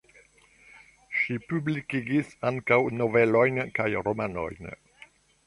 Ŝi publikigis ankaŭ novelojn, kaj romanojn.